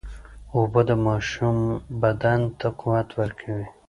اوبه د ماشوم بدن ته قوت ورکوي.